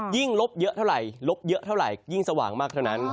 ลบเยอะเท่าไหร่ลบเยอะเท่าไหร่ยิ่งสว่างมากเท่านั้น